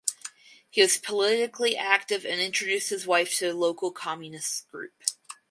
He was politically active and introduced his wife to the local Communists group.